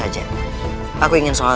aku akan bubungkan semuanya